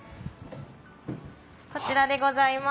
こちらでございます。